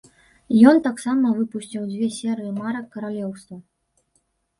Ён таксама выпусціў дзве серыі марак каралеўства.